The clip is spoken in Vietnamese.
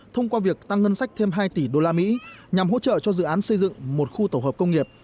thông qua việc tăng ngân sách thêm hai tỷ usd nhằm hỗ trợ cho dự án xây dựng một khu tổ hợp công nghiệp